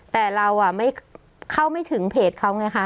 แต่เราไม่เข้าไม่ถึงเพจเขาไงคะ